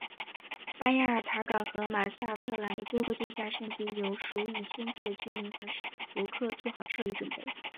巴亚尔塔港和马萨特兰的多个度假胜地有数以千计的居民和游客做好撤离准备。